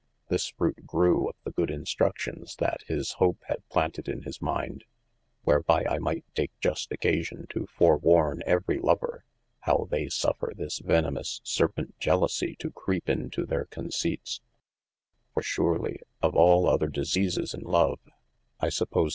This fruit grew of the good instructions yl his Hope had planted in his mind, whereby I might take just occasion to forwarn every lover, how they suffer this venemous serpent jelousie to creepe into their con ceipts : for surely, of al other diseases in love, I suppose that G.